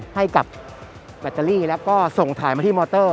ให้กับแบตเตอรี่แล้วก็ส่งถ่ายมาที่มอเตอร์